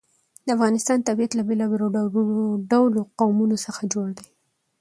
د افغانستان طبیعت له بېلابېلو ډولو قومونه څخه جوړ شوی دی.